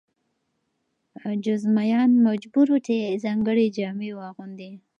جذامیان مجبور وو چې ځانګړې جامې واغوندي.